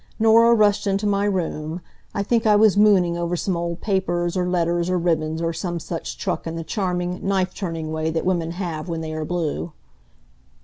Norah rushed into my room. I think I was mooning over some old papers, or letters, or ribbons, or some such truck in the charming, knife turning way that women have when they are blue.